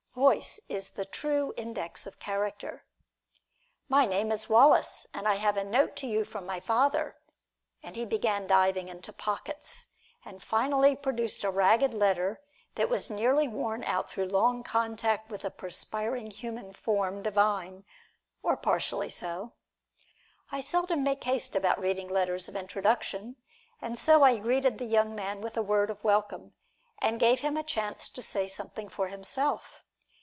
Voice is the true index of character. "My name is Wallace, and I have a note to you from my father," and he began diving into pockets, and finally produced a ragged letter that was nearly worn out through long contact with a perspiring human form divine or partially so. I seldom make haste about reading letters of introduction, and so I greeted the young man with a word of welcome, and gave him a chance to say something for himself.